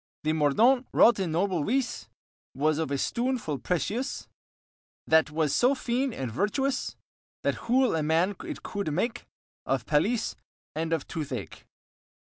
The mordaunt wrought in noble wyse, Was of a stoon full precious, That was so fyn and vertuous, That hool a man it coude make Of palasye and of tooth ake.